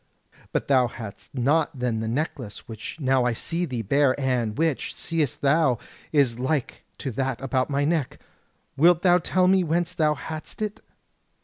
But thou hadst not then the necklace, which now I see thee bear, and which, seest thou! is like to that about my neck. Wilt thou tell me whence thou hadst it?"